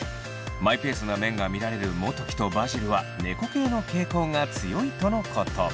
マイペースな面が見られるモトキとバジルは猫系の傾向が強いとのこと。